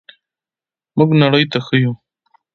موږ نړۍ ته ښیو.